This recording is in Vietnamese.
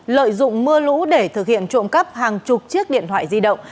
lợi dụng mưa lũ để thực hiện trộm cắp hàng chục chiếc điện thoại di động